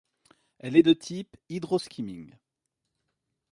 Elle est de type hydroskimming.